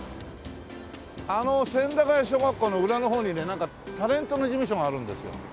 あの千駄谷小学校の裏の方にねなんかタレントの事務所があるんですよ。